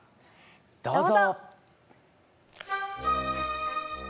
どうぞ！